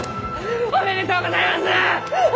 おめでとうございます！